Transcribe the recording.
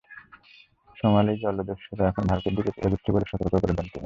সোমালী জলদস্যুরা এখন ভারতের দিকে এগোচ্ছে বলে সতর্ক করে দেন তিনি।